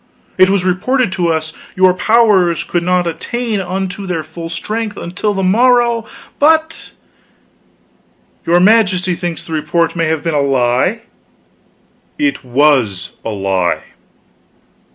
It was reported to us that your powers could not attain unto their full strength until the morrow; but " "Your Majesty thinks the report may have been a lie? It was a lie."